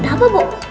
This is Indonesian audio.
itu buat apa bok